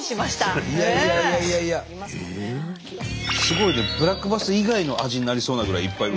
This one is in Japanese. すごいねブラックバス以外の味になりそうなぐらいいっぱい。